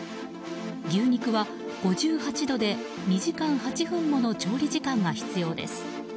牛肉は５８度で２時間８分もの調理時間が必要です。